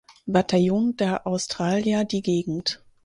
Bataillon der Australier die Gegend.